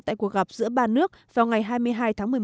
tại cuộc gặp giữa ba nước vào ngày hai mươi hai tháng một mươi một